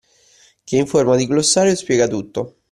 Che in forma di glossario spiega tutto